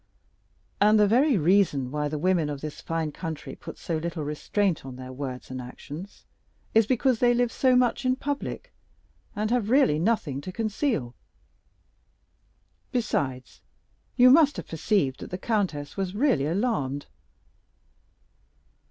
"And the very reason why the women of this fine country, 'where sounds the si,' as Dante writes, put so little restraint on their words and actions, is because they live so much in public, and have really nothing to conceal. Besides, you must have perceived that the countess was really alarmed."